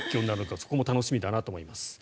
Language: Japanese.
そこも楽しみだなと思います。